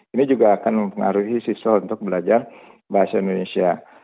ini juga akan mempengaruhi siswa untuk belajar bahasa indonesia